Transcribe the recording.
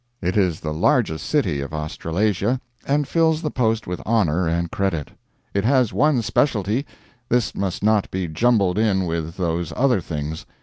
It is the largest city of Australasia, and fills the post with honor and credit. It has one specialty; this must not be jumbled in with those other things.